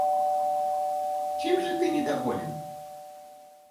Чем же ты недоволен?